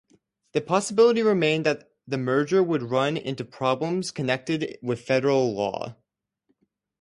The possibility remained that the merger would run into problems connected with federal law.